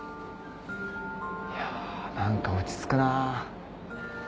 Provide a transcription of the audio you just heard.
いや何か落ち着くなぁ。